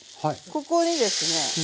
ここにですね。